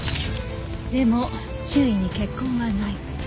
でも周囲に血痕はない。